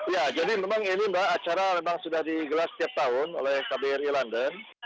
ya jadi memang ini mbak acara memang sudah digelar setiap tahun oleh kbri london